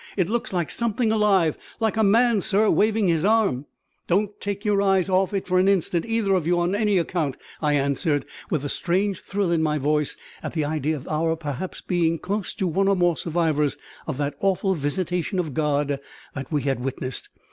"It looks like something alive like a man, sir, waving his arm!" "Don't take your eyes off it for an instant, either of you, on any account," I answered, with a strange thrill in my voice at the idea of our being perhaps close to one or more survivors of that awful visitation of God that we had witnessed.